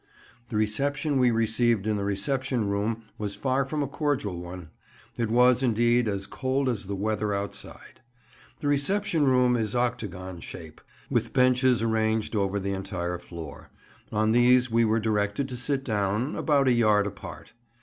The reception we received in the Reception Room was far from a cordial one; it was, indeed, as cold as the weather outside. The Reception Room is octagon shape, with benches arranged over the entire floor; on these we were directed to sit down, about a yard apart.